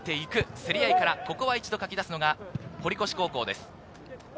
競り合いから一度かき出すのが堀越高校です。